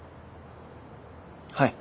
はい。